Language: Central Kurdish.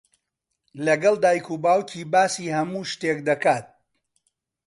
لەگەڵ دایک و باوکی باسی هەموو شتێک دەکات.